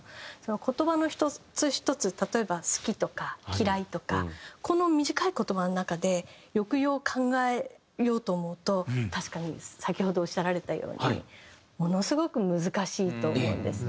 言葉の１つ１つ例えば「好き」とか「嫌い」とかこの短い言葉の中で抑揚を考えようと思うと確かに先ほどおっしゃられたようにものすごく難しいと思うんですね。